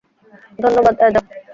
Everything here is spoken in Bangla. ধন্যবাদ, অ্যাজাক।